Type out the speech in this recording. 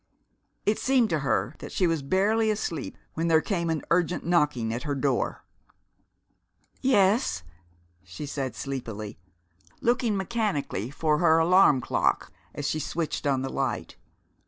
It seemed to her that she was barely asleep when there came an urgent knocking at her door. "Yes?" she said sleepily, looking mechanically for her alarm clock as she switched on the light.